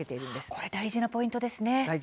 これは大事なポイントですね。